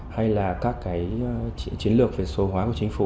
hay là các cái chiến lược về số hóa của chính phủ